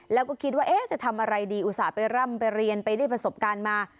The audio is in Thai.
แล้วก็คิดว่าจะทำอะไรดีอุตส่าห์ไปร่ำไปเรียนไปได้ประสบการณ์มา